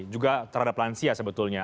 juga terhadap lansia sebetulnya